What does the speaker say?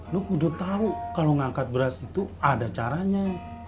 luku udah tahu kalau ngangkat beras itu ada caranya